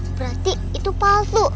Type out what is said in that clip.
berarti itu palsu